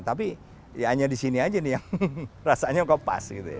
tapi ya hanya di sini aja nih yang rasanya kok pas gitu ya